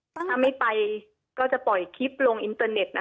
ถ้าไม่ไปก็จะปล่อยคลิปลงอินเตอร์เน็ต